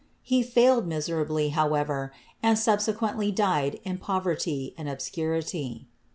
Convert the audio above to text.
He failed miserably, however, and subsequently died in poverty and obscurity.